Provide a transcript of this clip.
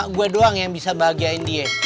gue doang yang bisa bahagiain dia